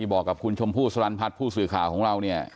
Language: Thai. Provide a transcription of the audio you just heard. บอกกับคุณชมพู่สลันพัฒน์ผู้สื่อข่าวของเราเนี่ย